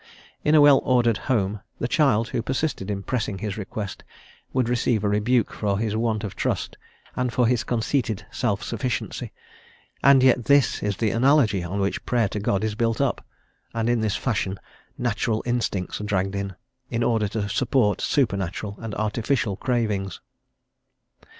In a well ordered home, the child who persisted in pressing his request would receive a rebuke for his want of trust, and for his conceited self sufficiency; and yet this is the analogy on which Prayer to God is built up, and in this fashion "natural instincts" are dragged in, in order to support supernatural and artificial cravings.